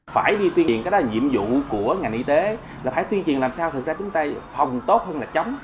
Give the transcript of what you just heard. phải đi tuyên điện cái đó là nhiệm vụ của ngành y tế là phải tuyên truyền làm sao thực ra chúng ta phòng tốt hơn là chống